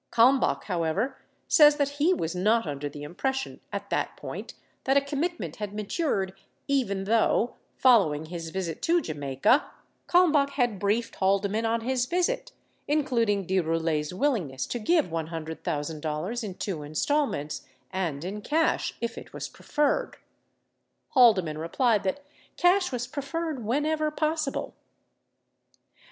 Kalmbach, however, says that he was not under the impression at that point that a commitment had matured even though, foffowing his visit to J amaica, Kalmbach had briefed Haldeman on his visit, in cluding De Roulet's willingness to give $100,000 in two installments and in cash if it was preferred. Haldeman replied that cash was pre ferred whenever possible.